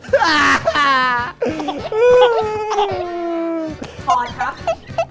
โสภา